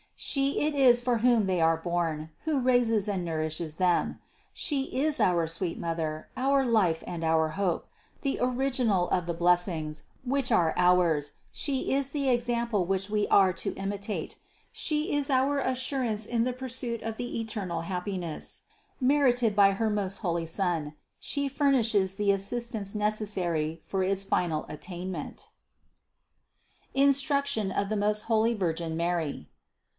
She 27 394 CITY OF GOD it is for whom they are born, who raises and nourishes them. She is our sweet Mother, our life and our hope, the original of the blessings, which are ours, She is the example which we are to imitate, She is our assurance in the pursuit of the eternal happiness, merited by her most holy Son, She furnishes the assistance necessary for its final attainment. INSTRUCTION OF THE MOST HOLY VIRGIN MARY.